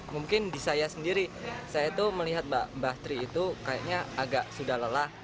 mungkin di saya sendiri saya tuh melihat mbak tri itu kayaknya agak sudah lelah